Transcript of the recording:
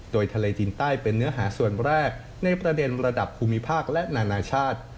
โดยทะเลจีนใต้เป็นเนื้อหาส่วนแรกในประเด็นระดับภูมิภาคและนานาชาติ